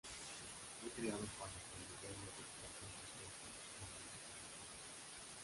Fue creado para promover los deportes ecuestres en ese territorio.